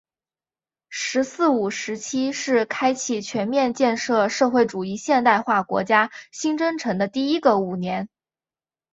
“十四五”时期是开启全面建设社会主义现代化国家新征程的第一个五年。